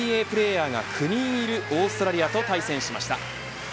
ＮＢＡプレーヤーが９人いるオーストラリアと対戦しました。